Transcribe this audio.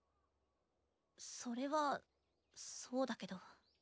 それはそうだけど。